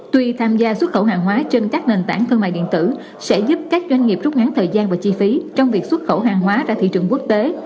tuy tham gia xuất khẩu hàng hóa trên các nền tảng thương mại điện tử sẽ giúp các doanh nghiệp rút ngắn thời gian và chi phí trong việc xuất khẩu hàng hóa ra thị trường quốc tế